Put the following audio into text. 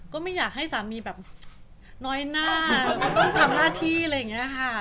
ก็ไม่อยากให้สามีแบบน้อยหน้าต้องทำหน้าที่อะไรอย่างนี้ค่ะ